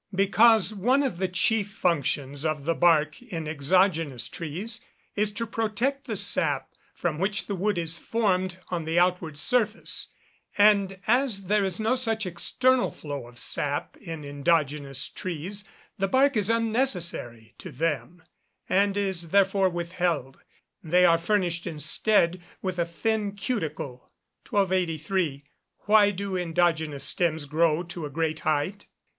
_ Because, one of the chief functions of the bark in exogenous trees, is to protect the sap from which the wood is formed on the outward surface; and as there is no such external flow of sap in endogenous trees, the bark is unnecessary to them, and is therefore withheld. They are furnished instead with a thin cuticle. 1283. _Why do endogenous stems grow to a great height?